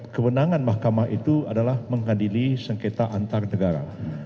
kebenangan mahkamah itu adalah mengadili sengketa antarnegara